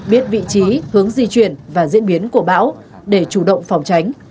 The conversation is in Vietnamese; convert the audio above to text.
biết vị trí hướng di chuyển và diễn biến của bão để chủ động phòng tránh